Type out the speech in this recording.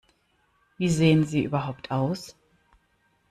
Wie sehen Sie überhaupt aus?